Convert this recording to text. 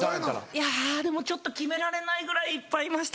でもちょっと決められないぐらいいっぱいいまして。